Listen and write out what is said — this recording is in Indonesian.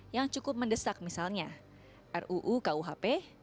yang cukup mendesak misalnya ruu kuhp